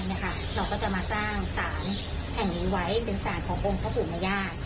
เราก็จะมาตั้งสารแห่งนี้ไว้เป็นสารขององค์พระภูมิญญาณ